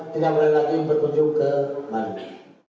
tidak boleh lagi berkunjung ke bali